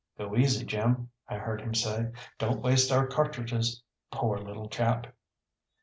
"Go easy, Jim," I heard him say, "don't waste our cartridges. Poor little chap!"